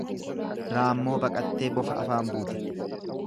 Raammoo baqattee bofa afaan buute.